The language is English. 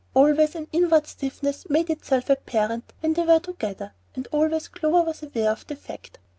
Always an inward stiffness made itself apparent when they were together, and always Clover was aware of the fact.